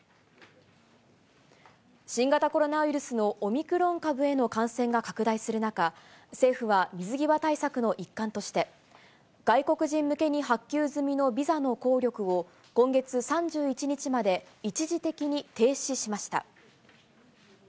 新型コロナウイルスのオミクロン株への感染が拡大する中、政府は水際対策の一環として、外国人向けに発給済みのビザの効力を、今月３１日まで一時的に停止しました。